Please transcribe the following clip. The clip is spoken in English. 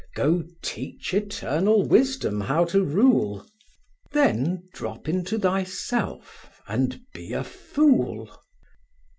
Go, teach Eternal Wisdom how to rule— Then drop into thyself, and be a fool!